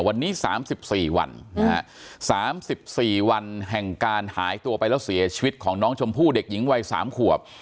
วันนี้สามสิบสี่วันอืมฮะสามสิบสี่วันแห่งการหายตัวไปแล้วเสียชีวิตของน้องชมผู้เด็กหญิงวัยสามขวบ